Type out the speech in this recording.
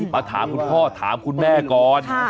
มาถามคุณพ่อถามคุณแม่ก่อน